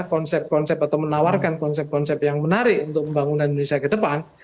konsep konsep atau menawarkan konsep konsep yang menarik untuk pembangunan indonesia ke depan